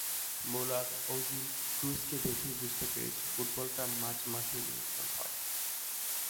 মুলার, Ozil, ক্রুসকে দেখেই বুঝতে শিখেছি ফুটবলটা মাঝ মাঠেই নিয়ন্ত্রণ হয়।